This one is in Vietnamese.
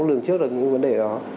lường trước được những vấn đề đó